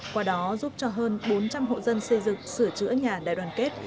qua đó giúp cho hơn bốn trăm linh hộ dân xây dựng sửa chữa nhà đại đoàn kết